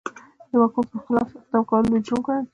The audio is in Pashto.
د واکمن پر خلاف اقدام کول لوی جرم ګڼل کېده.